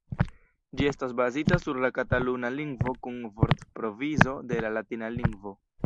Ĝi estas bazita sur la kataluna lingvo kun vortprovizo de la latina lingvo.